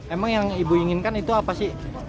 emang yang ibu inginkan itu apa sih